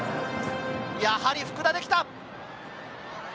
やはり福田できた！